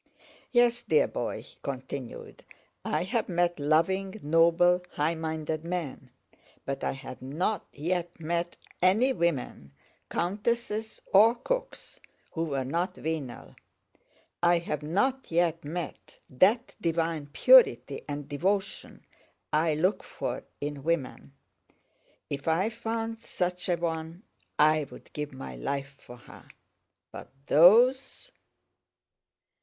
Yes, dear boy," he continued, "I have met loving, noble, high minded men, but I have not yet met any women—countesses or cooks—who were not venal. I have not yet met that divine purity and devotion I look for in women. If I found such a one I'd give my life for her! But those!..."